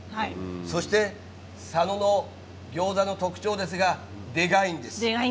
そして佐野の餃子の特徴ですがでかいんです。